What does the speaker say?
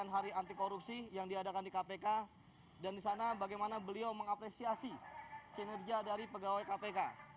dan hari anti korupsi yang diadakan di kpk dan di sana bagaimana beliau mengapresiasi kinerja dari pegawai kpk